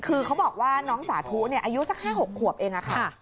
คือเขาบอกว่าน้องสาธุอายุสัก๕๖ขวบเองค่ะ